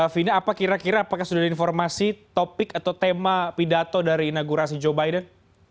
vina apa kira kira apakah sudah ada informasi topik atau tema pidato dari inaugurasi joe biden